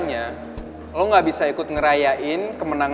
kalo jalan liat depan